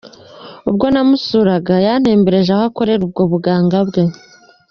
Ubwo namusuraga, yantembereje aho akorera ubwo buganga bwe.